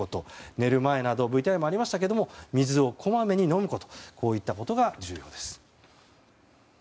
寝る前などＶＴＲにもありましたけど水をこまめに飲むことこういったことが重要です。